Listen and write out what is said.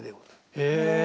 へえ！